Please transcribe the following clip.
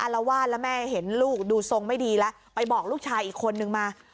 ละวาดแล้วแม่เห็นลูกดูทรงไม่ดีแล้วไปบอกลูกชายอีกคนนึงมา